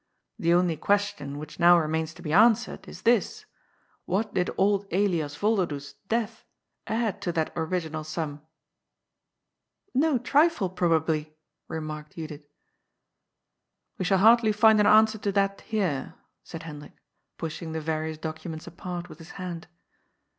The only ques tion which now remains to be answered is this : What did old Elias Yolderdoes's death add fi^ to that original sum ?"" No trifle probably," remarked Judith, "We shall hardly find an answer to that here," said Hendrik, pushing the various documents apart with his hand.